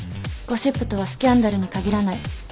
ゴシップとはスキャンダルに限らない。